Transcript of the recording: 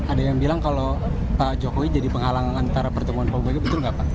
ada yang bilang kalau pak jokowi jadi penghalang antara pertemuan pak bega betul nggak pak